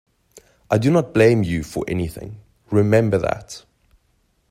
I do not blame you for anything; remember that.